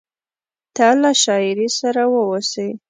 ته له شاعري سره واوسې…